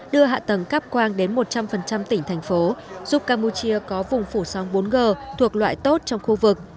đưa hạ tầng cắp quang đến một trăm linh tỉnh thành phố giúp campuchia có vùng phủ sóng bốn g thuộc loại tốt trong khu vực